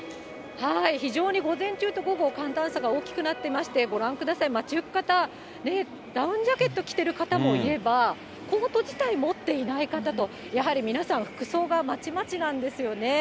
非常に午前中と午後、寒暖差が大きくなっていまして、ご覧ください、街行く方、ダウンジャケット着ている方もいれば、コート自体持っていない方と、やはり皆さん服装がまちまちなんですよね。